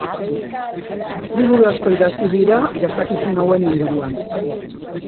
Liburu asko idatzi dira gertakizun hauen inguruan.